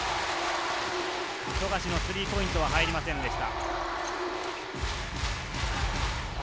富樫のスリーポイントは入りませんでした。